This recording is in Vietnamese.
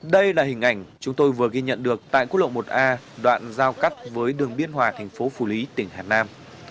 đây là hình ảnh chúng tôi vừa ghi nhận được tại quốc lộ một a đoạn giao cắt với đường biên hòa thành phố phủ lý tỉnh hà nam